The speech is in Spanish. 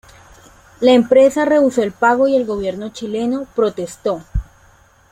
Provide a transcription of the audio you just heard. La empresa rehusó el pago y el gobierno chileno protestó.